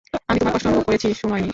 আমি তোমার কষ্ট অনুভব করেছি, সুনয়নী।